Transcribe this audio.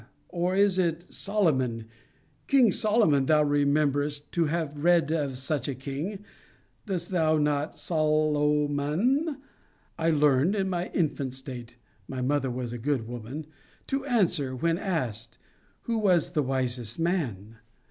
Or is it Solomon? King Solomon Thou remembrest to have read of such a king, dost thou not? SOL O MON, I learned, in my infant state [my mother was a good woman] to answer, when asked, Who was the wisest man?